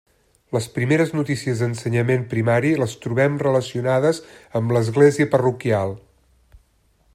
Les primeres notícies d'ensenyament primari les trobem relacionades amb l'església parroquial.